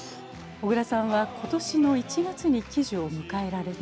小椋さんは今年の１月に喜寿を迎えられて。